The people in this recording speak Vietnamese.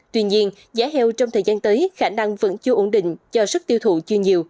tuy nhiên giá heo trong thời gian tới khả năng vẫn chưa ổn định do sức tiêu thụ chưa nhiều